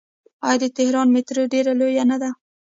آیا د تهران میټرو ډیره لویه نه ده؟